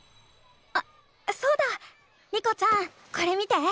あそうだ。リコちゃんこれ見て。